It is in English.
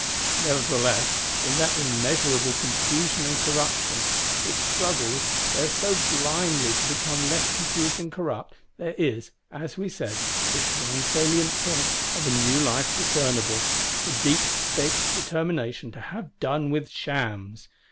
Nevertheless in that immeasurable Confusion and Corruption, which struggles there so blindly to become less confused and corrupt, there is, as we said, this one salient point of a New Life discernible: the deep fixed Determination to have done with Shams.